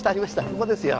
ここですよ。